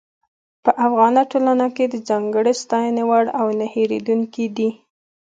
په افغاني ټولنه کې د ځانګړې ستاينې وړ او نۀ هېرېدونکي دي.